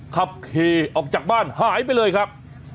ขับขี่ออกจากบ้านหายไปเลยครับ